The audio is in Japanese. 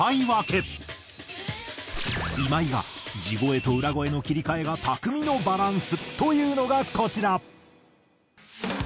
今井が地声と裏声の切り替えが巧みのバランスというのがこちら。